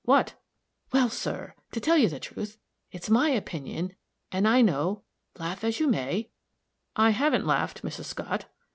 "What?" "Well, sir, to tell you the truth, it's my opinion, and I know, laugh as you may " "I haven't laughed, Mrs. Scott."